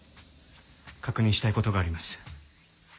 確認したい事があります。